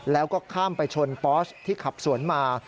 แล้วก็ข้ามไปชนปอสที่ขับสวนมา